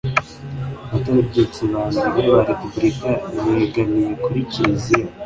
abategetsi ba mbere ba repubulika begamiye kuri kiriziya